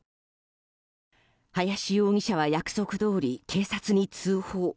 林容疑者は約束どおり警察に通報。